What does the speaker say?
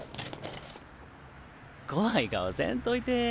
怖い顔せんといて。